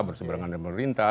berseberangan dengan pemerintah